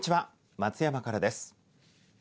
松山からです。